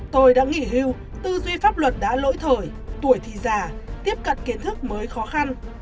tôi đã nghỉ hưu tư duy pháp luật đã lỗi thời tuổi thì già tiếp cận kiến thức mới khó khăn